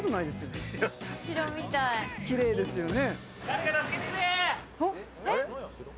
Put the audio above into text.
きれいですよね。